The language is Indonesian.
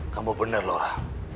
kamu bener laura